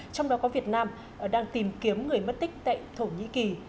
trong đó có việt nam đang tìm kiếm người mất tích tại thổ nhĩ kỳ